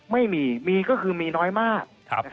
ไม่มีมีก็คือมีน้อยมาก